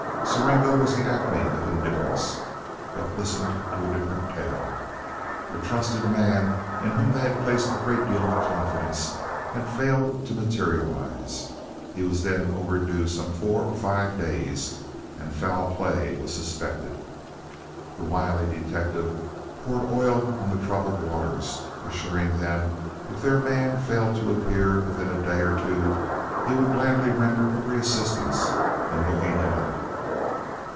Siringo was the acme of indifference, but listened to a different tale. A trusted man, in whom they had placed a great deal of confidence, had failed to materialize. He was then overdue some four or five days, and foul play was suspected. The wily detective poured oil on the troubled waters, assuring them if their man failed to appear within a day or two, he would gladly render every assistance in looking him up.